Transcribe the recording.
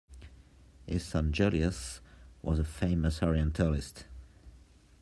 His son Julius was a famous orientalist.